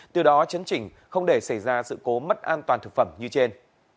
từ đó chấn chỉnh không để xảy ra sự cố mất an toàn thực phẩm như trên